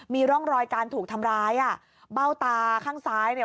มีร่องรอยการถูกทำร้ายอ่ะเบ้าตาข้างซ้ายเนี่ย